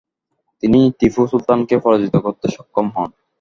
তিনি টিপু সুলতানকে পরাজিত করতে সক্ষম হন।